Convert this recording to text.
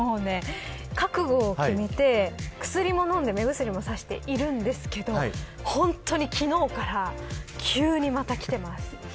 覚悟を決めて、薬も飲んで目薬もさしているんですけど本当に昨日から急に、またきています。